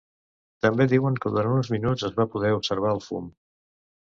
També diuen que durant uns minuts es va poder observar el fum.